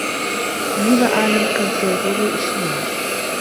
لِمْ أعلَم كَمْ سَيَطولُ الإجتِماع